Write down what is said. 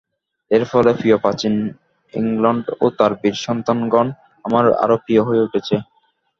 এর ফলে প্রিয় প্রাচীন ইংলণ্ড ও তার বীর সন্তানগণ আমার আরও প্রিয় হয়ে উঠেছে।